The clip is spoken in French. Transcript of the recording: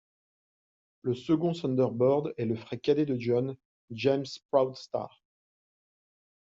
Le second Thunderbird est le frère cadet de John : James Proudstar.